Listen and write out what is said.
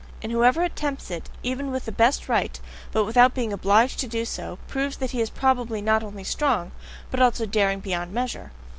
And whoever attempts it, even with the best right, but without being OBLIGED to do so, proves that he is probably not only strong, but also daring beyond measure.